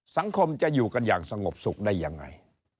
สังคมจะอยู่กันอย่างสงบสุขได้ยังไง